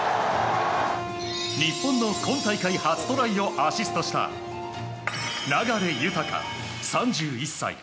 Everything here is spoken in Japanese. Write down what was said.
日本の今大会初トライをアシストした流大３１歳。